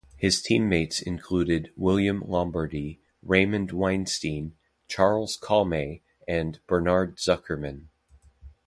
His teammates included William Lombardy, Raymond Weinstein, Charles Kalme, and Bernard Zuckerman.